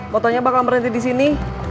motonya bakal berhenti disini